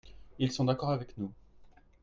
Ils sont d'accord avec nous.